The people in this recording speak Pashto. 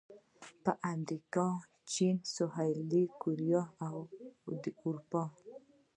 په امریکا، چین، سویلي کوریا او د اروپا